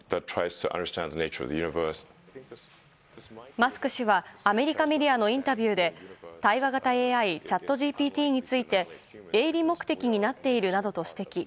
マスク氏はアメリカメディアのインタビューで対話型ＡＩチャットＧＰＴについて営利目的になっているなどと指摘。